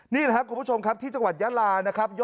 นี่แหละครับคุณผู้ชมครับที่จังหวัดยาลานะครับ